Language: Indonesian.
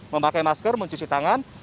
memakai masker mencuci tangan